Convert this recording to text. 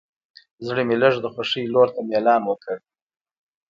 زړه مې لږ د خوښۍ لور ته میلان وکړ.